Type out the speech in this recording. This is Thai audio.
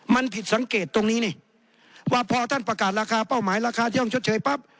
มันผิดสังเกตตรงนี้นี่ว่าพอท่านประกาศราคาเป้าหมายราคาที่ต้องชดเชยปั๊บ